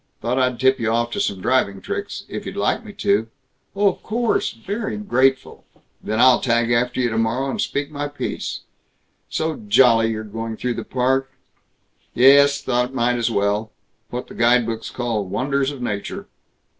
Thought I'd tip you off to some driving tricks if you'd like me to." "Oh, of course. Very grateful " "Then I'll tag after you tomorrow, and speak my piece." "So jolly you're going through the Park." "Yes, thought might as well. What the guide books call 'Wonders of Nature.'